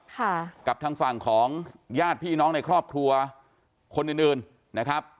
ค่ะกับทางฝั่งของญาติพี่น้องในครอบครัวคนอื่นอื่นนะครับ